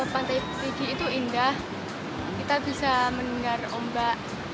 pantai pidi itu indah kita bisa mendengar ombak